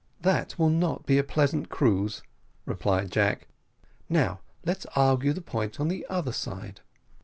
"That will not be a very pleasant cruise," replied Jack. "Now let's argue the point on the other side."